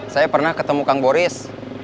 saya pernah ketemu kang boris